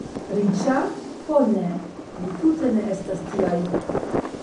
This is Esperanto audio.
Riĉa? Ho ne, ni tute ne estas tiaj.